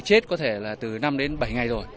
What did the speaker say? chết có thể là từ năm đến bảy ngày rồi